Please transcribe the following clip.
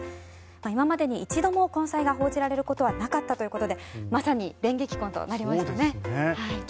今までに一度も交際が報じられることはなかったので電撃婚となりましたね。